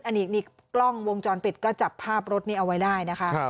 อันนี้นี่กล้องวงจรปิดก็จับภาพรถนี้เอาไว้ได้นะคะ